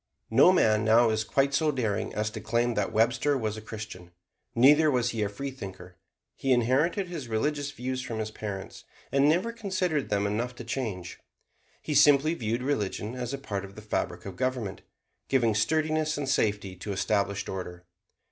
No man now is quite so daring as to claim that Webster was a Christian. Neither was he a freethinker. He inherited his religious views from his parents, and never considered them enough to change. He simply viewed religion as a part of the fabric of government, giving sturdiness and safety to established order.